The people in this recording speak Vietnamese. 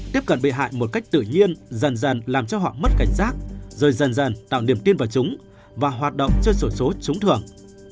tiếp cận bị hại một cách tự nhiên dần dần làm cho họ mất cảnh giác rồi dần dần tạo niềm tin vào chúng và hoạt động trên sổ số trúng thưởng